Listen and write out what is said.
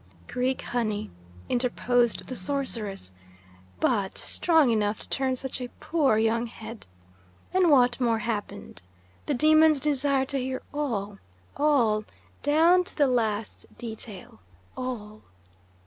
'" "Greek honey," interposed the sorceress, "but strong enough to turn such a poor young head. And what more happened? The demons desire to hear all all down to the least detail all!"